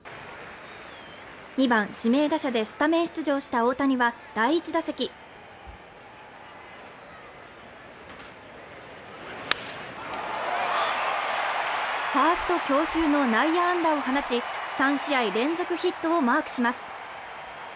２番指名打者でスタメン出場した大谷は第１打席ファースト強襲の内野安打を放ち３試合連続ヒットをマークします